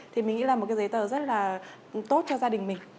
thì mình nghĩ là một cái giấy tờ rất là tốt cho gia đình mình